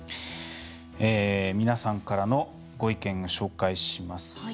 皆さんからのご意見を紹介します。